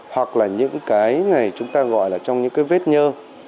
hoặc là những cái này chúng ta gọi là trong những cái vết nhơ